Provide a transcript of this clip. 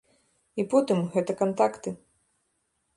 І потым, гэта кантакты.